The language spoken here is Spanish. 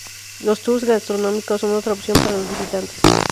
Los tours gastronómicos son otra opción para los visitantes.